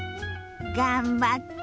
頑張って！